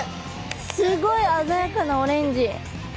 すごいあざやかなオレンジ。